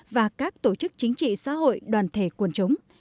và các tổ chức chính trị xã hội đoàn thể quần chúng